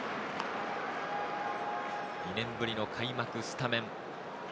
２年ぶりの開幕スタメン。